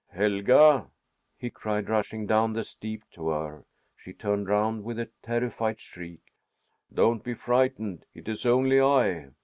"Helga!" he cried, rushing down the steep to her. She turned round with a terrified shriek. "Don't be frightened! It is only I."